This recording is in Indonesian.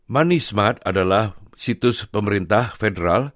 moneysmart adalah situs pemerintah federal